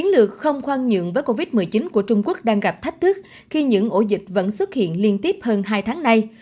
do covid một mươi chín của trung quốc đang gặp thách thức khi những ổ dịch vẫn xuất hiện liên tiếp hơn hai tháng nay